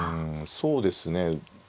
そうですね。